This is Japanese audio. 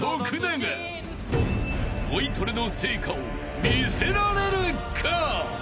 ［ボイトレの成果を見せられるか？］